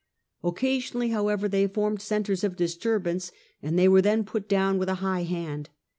Occasionally however they formed centres of disturbance, and they were then put down with a high hand.